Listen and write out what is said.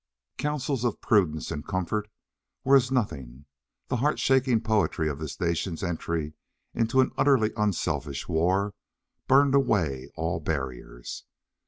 Counsels of prudence and comfort were as nothing; the heart shaking poetry of this nation's entry into an utterly unselfish war burned away all barriers.